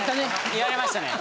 言われましたね。